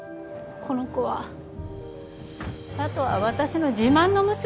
この子は佐都は私の自慢の娘です。